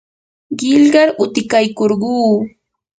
qillqar utikaykurquu.